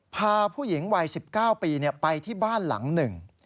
พาผู้หญิงวัย๑๙ปีไปที่บ้านหลังหนึ่ง